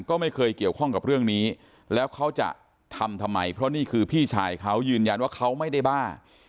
ก็ไม่เคยเกี่ยวข้องกับเรื่องนี้แล้วเขาจะทำทำไมเพราะนี่คือพี่ชายเขายืนยันว่าเขาไม่ได้บ้า